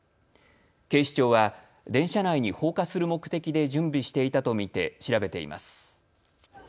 警視庁は電車内に放火する目的で準備していたと見て調べています。